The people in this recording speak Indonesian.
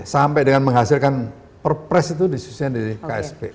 sampai dengan menghasilkan perpres itu disusun di ksp